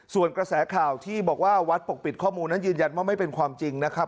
ส่วนกระแสข่าวที่บอกว่าวัดปกปิดข้อมูลนั้นยืนยันว่าไม่เป็นความจริงนะครับ